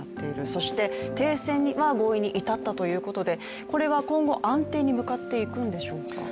そして停戦に合意に至ったということでこれは今後、安定に向かっていくんでしょうか？